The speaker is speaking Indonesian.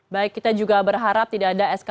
baik kita juga berharap tidak ada sk